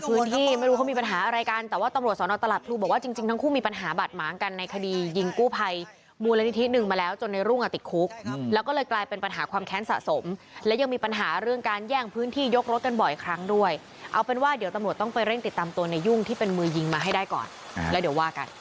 เพราะผมอยู่คนละพื้นที่อยู่คนละที่เลย